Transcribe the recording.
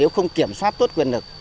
nếu không kiểm soát tốt quyền lực